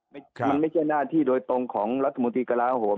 มันไม่ใช่หน้าที่โดยตรงของรัฐมนตรีกระลาโหม